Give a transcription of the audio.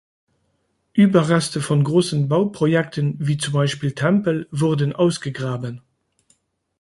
Überreste von großen Bauprojekten, wie z.B. Tempel, wurden ausgegraben.